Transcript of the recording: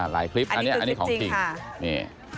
หลายคลิปอันนี้คลิปจริงค่ะ